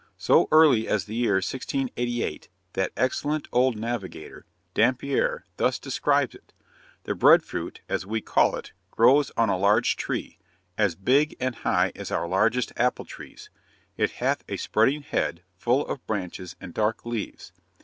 So early as the year 1688, that excellent old navigator, Dampier, thus describes it: 'The bread fruit, as we call it, grows on a large tree, as big and high as our largest apple trees; it hath a spreading head, full of branches and dark leaves.